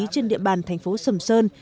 trên địa bàn thành phố sầm sơn